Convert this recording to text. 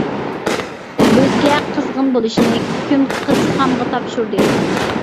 بىزگە قىزغىن بولۇشنى، كۈن قىز خانغا تاپشۇردى.